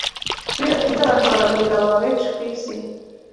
Bidatinze abantu baragwira baba benshi ku isi